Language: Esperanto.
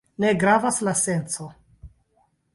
Ne gravas la senco.